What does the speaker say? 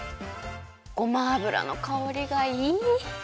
ごま油のかおりがいい！